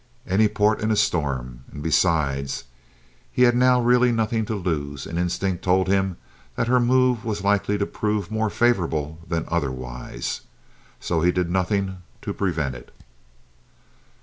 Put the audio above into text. Any port in a storm—and besides, he had now really nothing to lose, and instinct told him that her move was likely to prove more favorable than otherwise—so he did nothing to prevent it.